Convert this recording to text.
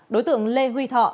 đối tượng lê huy thọ